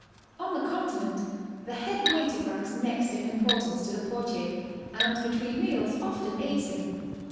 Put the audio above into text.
On the Continent the head waiter ranks next in impor tance to the portier, and between meals often aids him.